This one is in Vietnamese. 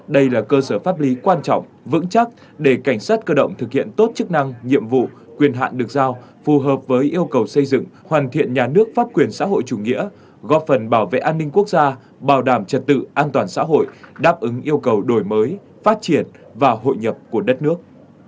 đây là cơ sở pháp lý quan trọng vững chắc để cảnh sát cơ động thực hiện tốt chức năng nhiệm vụ quyền hạn được giao phù hợp với yêu cầu xây dựng hoàn thiện nhà nước pháp quyền xã hội chủ nghĩa góp phần bảo vệ an ninh quốc gia bảo đảm trật tự an toàn xã hội đáp ứng yêu cầu đổi mới phát triển và hội nhập của đất nước